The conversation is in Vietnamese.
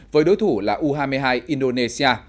với đối thủ là u hai mươi hai indonesia